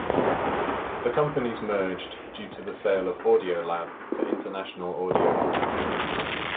The companies merged due to the sale of Audiolab to International Audio Group.